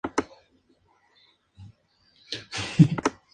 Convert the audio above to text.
Asimismo, el núcleo celular puede verse desplazado hacia la periferia.